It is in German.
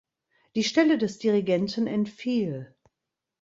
Die Stelle des Dirigenten entfiel.